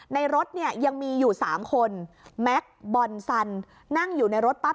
รถเนี่ยยังมีอยู่๓คนแม็กซ์บอนซันนั่งอยู่ในรถปั๊บ